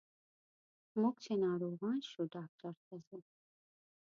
موږ چې ناروغان شو ډاکټر ته ځو.